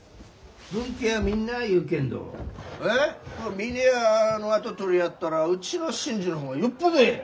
峰屋の跡取りやったらうちの伸治の方がよっぽどえい！